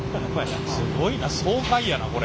すごいな爽快やなこれ。